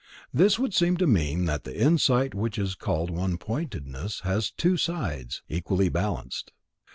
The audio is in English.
This would seem to mean that the insight which is called one pointedness has two sides, equally balanced.